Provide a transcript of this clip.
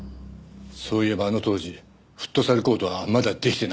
そういえばあの当時フットサルコートはまだできてなかった。